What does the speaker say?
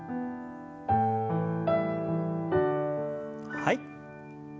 はい。